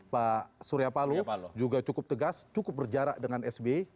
pak suryapalo juga cukup tegas cukup berjarak dengan s b